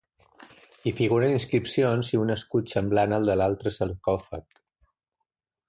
Hi figuren inscripcions i un escut semblant al de l'altre sarcòfag.